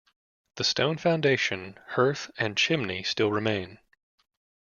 The stone foundation, hearth and chimney still remain.